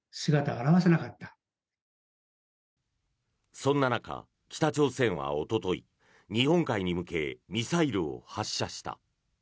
そんな中、北朝鮮はおととい日本海に向けミサイルを発射した。